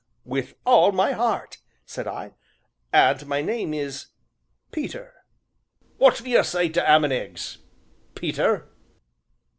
"With all my heart!" said I, "and my name is Peter." "What do you say to 'am and eggs Peter?"